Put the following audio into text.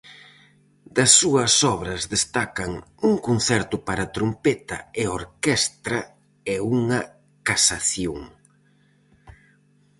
Das súas obras destacan un concerto para trompeta e orquestra e unha casación.